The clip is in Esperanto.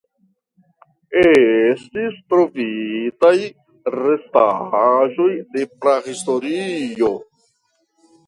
Estis trovitaj restaĵoj de prahistorio.